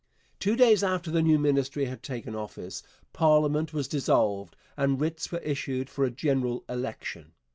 Two days after the new Ministry had taken office parliament was dissolved and writs were issued for a general election.